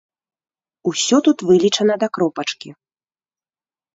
Усё тут вылічана да кропачкі.